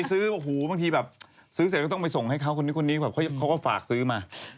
ก็ฟังนิดนึงมันจะตายไหม